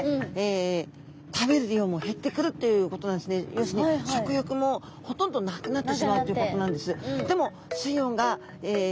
要するに食欲もほとんどなくなってしまうということなんです。